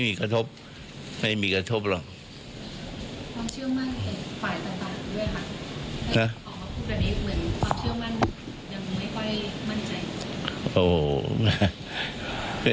คุณประเด็นเหมือนความเชื่อมั่นยังไม่ค่อยมั่นใจ